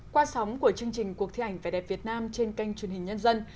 qua sóng của chương trình cuộc thi ảnh vẻ đẹp việt nam trên kênh truyền hình nhân dân